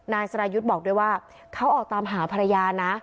นายสรายุทธ์บอกด้วยว่าเขาออกตามหาภรรยานะ